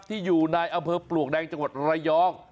ที่อยู่ในอำเภอปลวกแดงจังหวัดระยอง